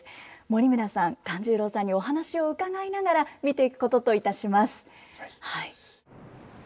森村さん勘十郎さんにお話を伺いながら見ていくことといたします。